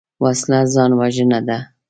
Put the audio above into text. وسله ځان وژنه ده